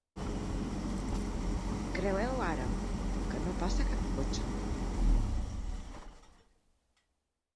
Creueu ara, que no passa cap cotxe.